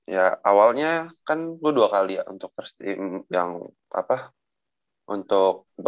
ya awalnya kan gue dua kali ya untuk first team yang apa